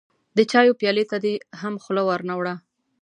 د چايو پيالې ته دې هم خوله ور نه وړه.